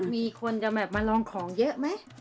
มีคนจะแบบมาลองของเยอะไหม